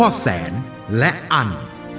พ่อแสนและอัน